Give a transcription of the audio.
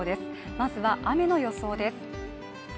まずは雨の予想です